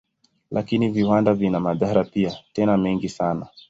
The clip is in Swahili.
Lakini viwanda vina madhara pia, tena mengi sana.